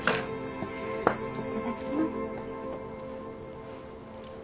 いただきます。